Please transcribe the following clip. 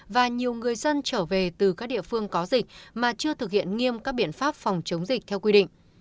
và nhiều người dân trở về từ các địa phương có dịch mà chưa thực hiện nghiêm các biện pháp phòng chống dịch theo quy định